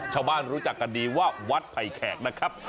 ชาวบ้านรู้จักกันดีว่าวัดไพรแขกนะครับ